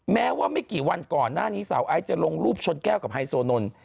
แม้ว่าไม่กี่วันก่อนหน้านี้สาวไอซ์จะลงรูปชนแก้วกับไฮโซนนท์